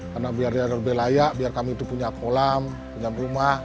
karena biar dia lebih layak biar kami itu punya kolam punya rumah